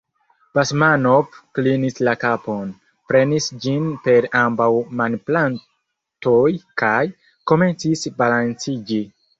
Basmanov klinis la kapon, prenis ĝin per ambaŭ manplatoj kaj komencis balanciĝi.